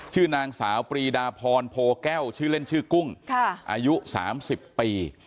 ชื่อนางสาวปรีดาพรโพแก้วชื่อเล่นชื่อกุ้งอายุ๓๐ปี